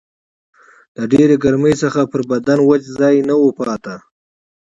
د ډېرې ګرمۍ څخه یې پر بدن وچ ځای نه و پاته